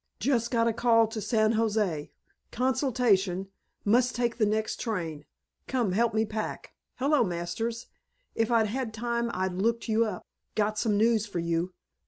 Just got a call to San Jose consultation must take the next train. Come, help me pack. Hello, Masters. If I'd had time I'd have looked you up. Got some news for you.